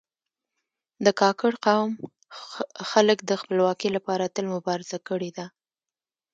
د کاکړ قوم خلک د خپلواکي لپاره تل مبارزه کړې ده.